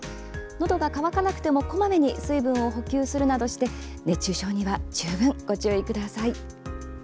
のどが渇かなくてもこまめに水分を補給するなどして熱中症には十分ご注意ください。